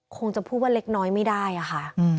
คงจะพูดว่าเล็กน้อยไม่ได้อะค่ะ